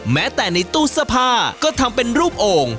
แม้แต่ในตู้เสื้อผ้าก็ทำเป็นรูปโอ่ง